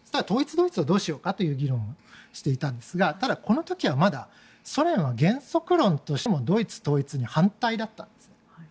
統一ドイツはどうしようかという議論をしていたんですがただ、この時はまだソ連は原則論としてもドイツ統一に反対だったんです。